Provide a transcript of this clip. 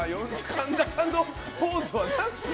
神田さんのポーズは何ですか？